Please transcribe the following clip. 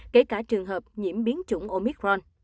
kể cả trường hợp nhiễm biến chủng omicron